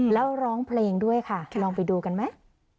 แล้วร้องเพลงด้วยค่ะลองไปดูกันไหม